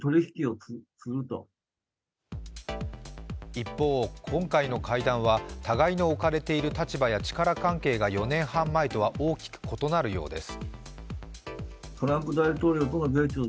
一方、今回の会談は互いの置かれている立場や力関係が４年半前とは大きく異なるようです。